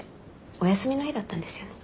お休みの日だったんですよね？